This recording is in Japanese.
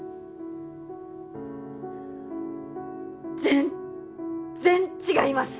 全っ然違います。